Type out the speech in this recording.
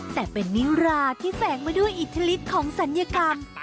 แต่เป็นนิราที่แฝงมาด้วยอิทธิฤทธิ์ของศัลยกรรม